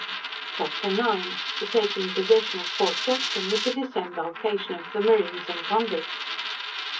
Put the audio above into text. CHAPTER IX. The taking Possession of Port Jackson, with the Disembarkation of the Marines and Convicts.